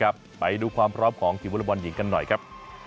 ไปดูความพร้อมของทีมวอลบอลหญิงกันหน่อยครับ